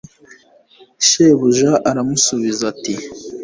shebuja aramusubiza ati